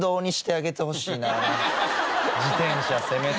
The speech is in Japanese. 自転車せめて。